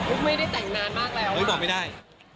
อุ๊กไม่ได้แต่งนานมากแล้วหล่ะเดี๋ยวบอกไม่ได้